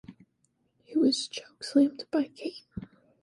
He was chokeslammed by Kane.